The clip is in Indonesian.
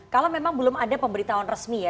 kalau memang belum ada pemberitahuan resmi ya